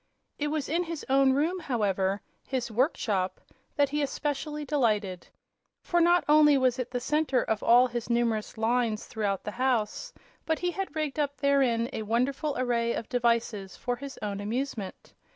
It was in his own room, however, his "workshop" that he especially delighted. For not only was it the center of all his numerous "lines" throughout the house, but he had rigged up therein a wonderful array of devices for his own amusement.